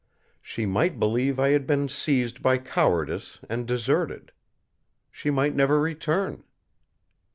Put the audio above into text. She might believe I had been seized by cowardice and deserted. She might never return.